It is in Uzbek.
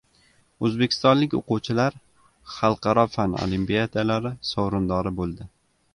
O‘zbekistonlik o‘quvchilar xalqaro fan olimpiadalari sovrindori bo‘ldi